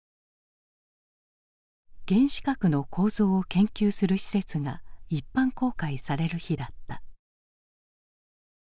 原子核の構造を研究する施設が一般公開される日だった。